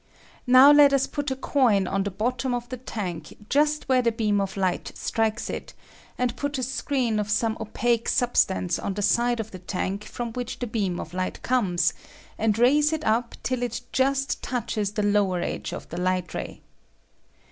Now let us put a coin on the bottom of the tank just where the beam of light strikes it, and put a screen of some opaque substance on 196 f^ \. Original from UNIVERSITY OF WISCONSIN /fcfrase. 197 the side of the tank from which the beam of light comes, and raise it up till it just touches the lower edge of the light ray.